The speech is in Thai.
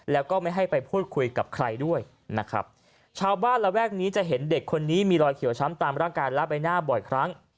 แล้วก็ไม่ให้ไปพูดคุยกับใครด้วยนะครับชาวบ้านระแวกนี้จะเห็นเด็กคนนี้มีรอยเขียวช้ำตามร่างกายและใบหน้าบ่อยครั้ง